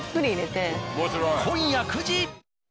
今夜９時。